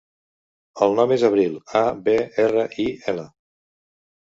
El nom és Abril: a, be, erra, i, ela.